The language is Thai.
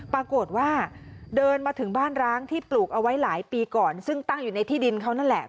ปรากฏว่าเดินมาถึงบ้านร้างที่ปลูกเอาไว้หลายปีก่อนซึ่งตั้งอยู่ในที่ดินเขานั่นแหละ